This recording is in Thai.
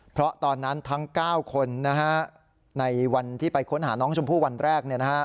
เพราะตอนนั้นทั้งเก้าคนนะฮะในวันที่ไปค้นหาน้องชมพู่วันแรกเนี่ยนะฮะ